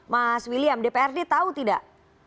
mas william dprd tahu tidak